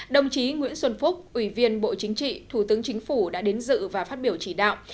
đồng chí nguyễn xuân phúc ủy viên bộ chính trị thủ tướng chính phủ đã đến dự và phát biểu chỉ đạo